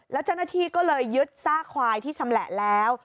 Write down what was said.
แล้วเจ้าหน้าที่ก็เลยยึดซากควายที่ชำแหละแล้ว